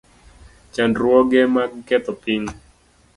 Chandruoge mag ketho piny